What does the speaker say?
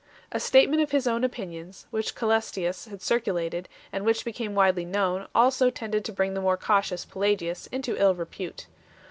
A statement of his own opinions, which Cselestius had circulated, and which became widely known, also tended to bring the more cautious Pelagius into ill repute.